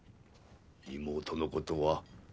妹のことは？